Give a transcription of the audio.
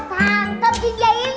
tangkap si jayunya bos